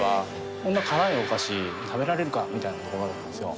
こんな辛いお菓子、食べられるかみたいなところなんですよ。